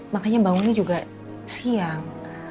makanya bangunnya juga siang